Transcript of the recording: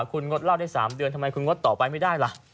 คุณงดเหล้าได้๓เดือนทำไมคุณงดต่อไปไม่ได้ล่ะ